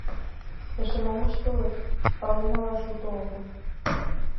Эше мом ыштылыт — пален налаш уто огыл.